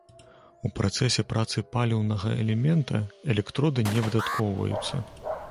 У працэсе працы паліўнага элемента, электроды не выдаткоўваюцца.